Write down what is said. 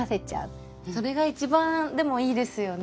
それが一番でもいいですよね。